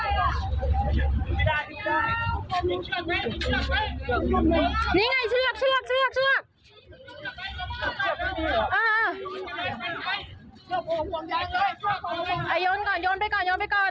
ย้อนไปก่อนย้อนไปก่อน